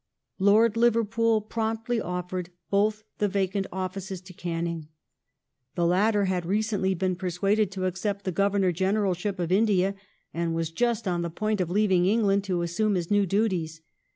Lord Liverpool promptly offered both the vacant offices to Canning. The latter had re cently been persuaded to accept the Governor Generalship of India, and was just on the point of leaving England to assume his new duties.